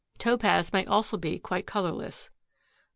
Topaz may also be quite colorless.